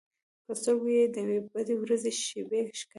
په سترګو کې یې د یوې بدې ورځې شېبې ښکارېدې.